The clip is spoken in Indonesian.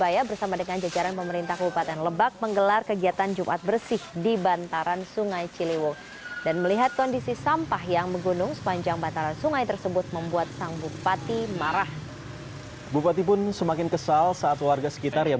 ya meluapkan kemarahannya ini saat diajak bersama bergotong royong